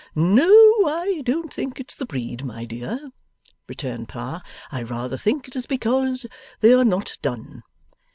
'No, I don't think it's the breed, my dear,' returned Pa. 'I rather think it is because they are not done.